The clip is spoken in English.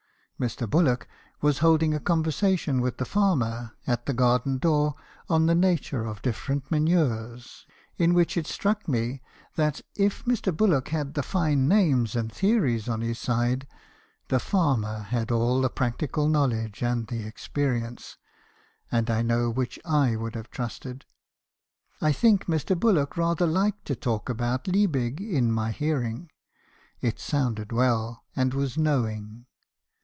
Mr. Bullock was holding a conversation with the farmer at the garden door on the nature of different manures, in which it struck me that if Mr. Bullock had the fine names and the theories on his side , the farmer had all the practical knowledge and the experience, and I know which I would have trusted. I think Mr. Bullock rather liked to talk about Liebig in my hearing; it sounded well, and was knowing.